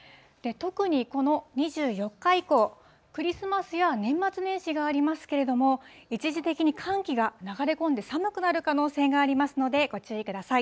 特に、この２４日以降、クリスマスや年末年始がありますけれども、一時的に寒気が流れ込んで、寒くなる可能性がありますので、ご注意ください。